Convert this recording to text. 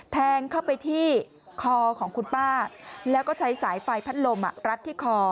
แทงเข้าไปที่คอของคุณป้าแล้วก็ใช้สายไฟพัดลมรัดที่คอ